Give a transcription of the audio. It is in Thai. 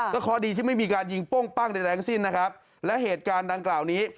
เพราะดีที่ไม่มีการยิงโป้งปั้งใดแรงสิ้นนะครับและเหตุการณ์ดังกล่าวนี้